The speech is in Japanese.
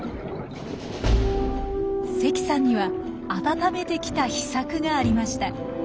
関さんには温めてきた秘策がありました。